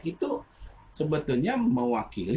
itu sebetulnya mewakili